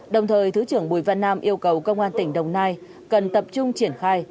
đồng thời thứ trưởng bùi văn nam yêu cầu công an tỉnh đồng nai cần tập trung triển khai